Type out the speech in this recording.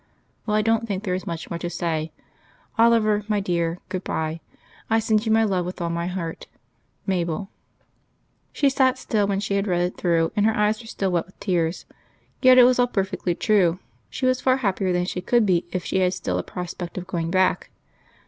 "Well, I don't think there is much more to say. Oliver, my dear, good bye. I send you my love with all my heart. "MABEL." She sat still when she had read it through, and her eyes were still wet with tears. Yet it was all perfectly true. She was far happier than she could be if she had still the prospect of going back.